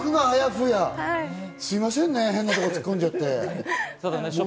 すいませんね、変なところ突っ込んじゃって。